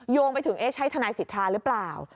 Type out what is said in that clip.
โยงไปถึงเอ๊ะใช่ทนายสิทธาหรือเปล่า